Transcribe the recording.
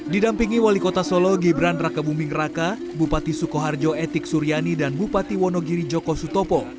didampingi wali kota solo gibran raka buming raka bupati sukoharjo etik suryani dan bupati wonogiri joko sutopo